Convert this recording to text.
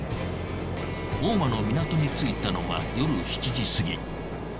大間の港に着いたのは夜７時過ぎ。